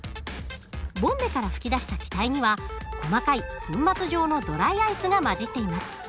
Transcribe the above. ボンベから噴き出した気体には細かい粉末状のドライアイスが混じっています。